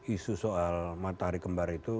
isu soal matahari kembar itu